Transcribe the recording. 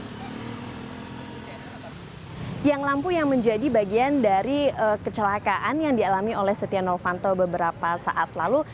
tiang lampu yang menjadi bagian dari kecelakaan yang dialami oleh setia novanto beberapa saat lalu